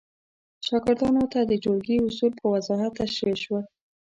شاګردانو ته د ټولګي اصول په وضاحت تشریح شول.